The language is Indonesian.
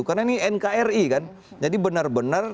karena ini nkri kan jadi benar benar